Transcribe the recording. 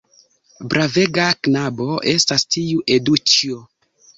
Bravega knabo estas tiu Eduĉjo!